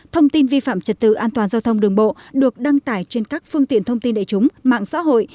thông tin vi phạm trật tự an toàn giao thông đường bộ được đăng tải trên các phương tiện thông tin đại chúng mạng xã hội